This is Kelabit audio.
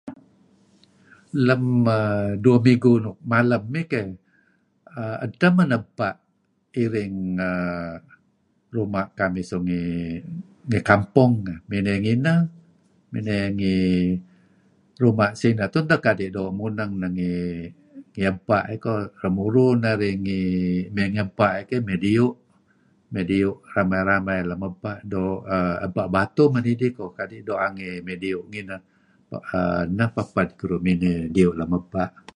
Lem err dueh migu nuk malem ih keyh, err edteh men ebpa' iring err ruma' kamih suk ngih, ngih kampong. Miney ngineh, miney ngih ruma' sineh tun teh kadi' doo' muneng neh ngih, ngih ebpa' ih ko'. Remuru narih emey ngih ebpa' keyh, mey diu'. Mey diu' ramai-ramai lem ebpa'. Doo' ebpa' batuh men idih kadi' doo' angey mey diu' ngineh. Neh peded keduih mey diu' lem ebpa'.